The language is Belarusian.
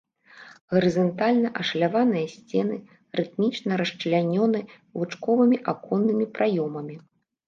Гарызантальна ашаляваныя сцены рытмічна расчлянёны лучковымі аконнымі праёмамі.